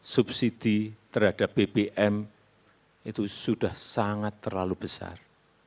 subsidi terhadap bbm itu sudah sangat terlalu besar